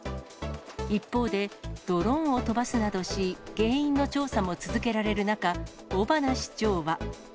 一方で、ドローンを飛ばすなどし、原因の調査も続けられる中、尾花市長は。